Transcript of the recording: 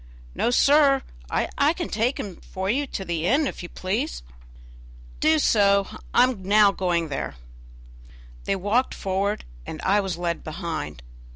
"No, sir, I can take him for you to the inn, if you please." "Do so, I am now going there." They walked forward, and I was led behind.